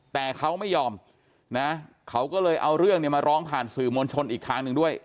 แต่เขาไม่ยอมนะเขาก็เลยเอาเรื่องเนี่ยมาร้องผ่านสื่อมวลชนอีกทางหนึ่งด้วย